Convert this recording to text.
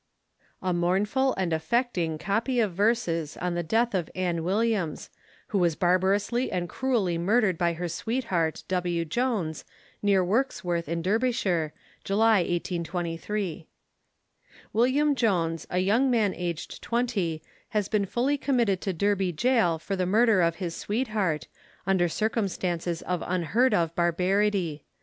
A mournful and affecting COPY OF VERSES on the death of ANN WILLIAMS, Who was barbarously and cruelly murdered by her sweetheart, W. JONES, near Wirksworth, in Derbyshire, July, 1823. William Jones, a young man aged 20, has been fully committed to Derby gaol for the murder of his sweetheart, under circumstances of unheard of barbarity.